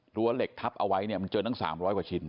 หรือว่าเหล็กทับเอาไว้มันเจอทั้ง๓๐๐ชิ้น